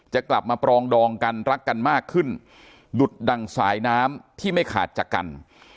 จะกลับมาปรองดองกันรักกันมากขึ้นดุดดั่งสายน้ำที่ไม่ขาดจากกัน